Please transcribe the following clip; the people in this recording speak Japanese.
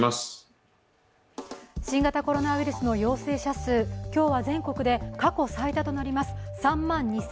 新型コロナウイルスの陽性者数、今日は全国で過去最多となります